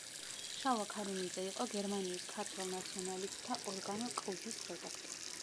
შალვა ქარუმიძე იყო გერმანიის ქართველ ნაციონალისტთა ორგანო „კლდის“ რედაქტორი.